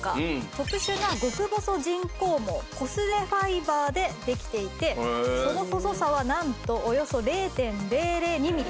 特殊な極細人工毛コスメファイバーでできていてその細さはなんとおよそ０．００２ミリ。